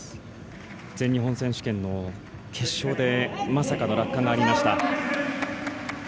全日本選手権の決勝でまさかの落下がありました。